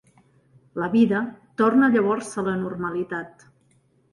La vida torna llavors a la normalitat.